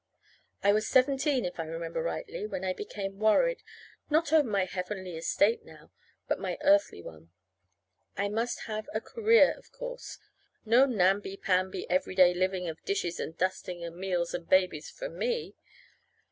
I was seventeen, if I remember rightly, when I became worried, not over my heavenly estate now, but my earthly one. I must have a career, of course. No namby pamby everyday living of dishes and dusting and meals and babies for me.